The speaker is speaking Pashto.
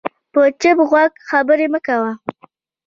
په چپ غوږ خبرې مه کوه